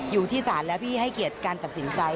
อยู่ที่ศาลแล้วพี่ให้เกียรติการตัดสินใจ